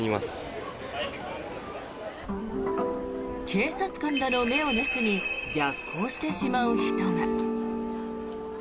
警察官らの目を盗み逆行してしまう人が。